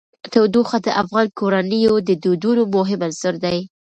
تودوخه د افغان کورنیو د دودونو مهم عنصر دی.